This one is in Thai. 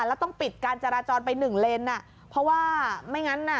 แล้วต้องปิดการจราจรไปหนึ่งเลนอ่ะเพราะว่าไม่งั้นน่ะ